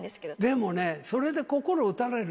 でもね、それで心を打たれる。